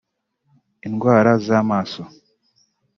indwara z’amaso